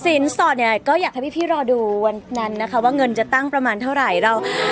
สิ้นสอดอยากให้พี่รอดูวันนั้นว่าเงินจะตั้งประมาณเท่าไหร่